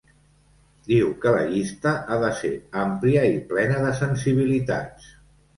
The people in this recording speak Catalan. Diu que la llista ha de ser àmplia i plena de sensibilitats.